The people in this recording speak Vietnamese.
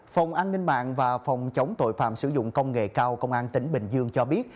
phòng an ninh mạng và phòng chống tội phạm sử dụng công nghệ cao công an tỉnh bình dương cho biết